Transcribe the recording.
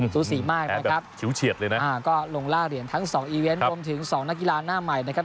สูสีมากนะครับก็ลงลากเหรียญทั้ง๒อีเวนต์รวมถึง๒นักกีฬาหน้าใหม่นะครับ